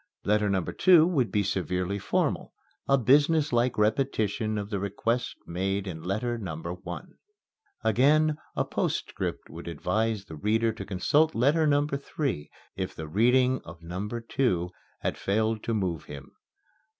Letter number two would be severely formal a business like repetition of the request made in letter number one. Again a postscript would advise the reader to consult letter number three, if the reading of number two had failed to move him.